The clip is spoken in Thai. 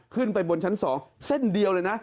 ขึ้นไปบนชั้น๒เส้นเดียวเลยนะ